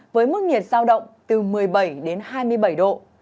với mức nhiệt sao động từ một mươi bảy đến hai mươi bảy độ